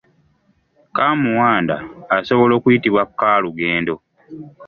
Kaamuwanda asobola okuyitibwa kaalugendo.